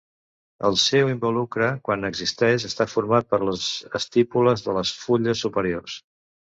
El seu involucre, quan existeix, està format per les estípules de les fulles superiors.